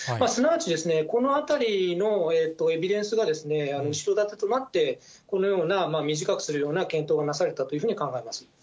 すなわちですね、このあたりのエビデンスが後ろ盾となって、このような短くするような検討がなされたというふうに考えます。